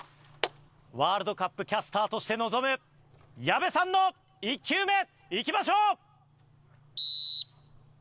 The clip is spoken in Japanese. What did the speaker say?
ワールドカップキャスターとして臨む矢部さんの１球目いきましょう！